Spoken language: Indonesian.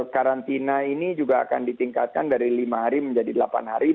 karantina ini juga akan ditingkatkan dari lima hari menjadi delapan hari